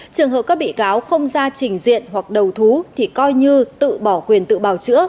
trường hợp các bị cáo không ra trình diện hoặc đầu thú thì coi như tự bỏ quyền tự bào chữa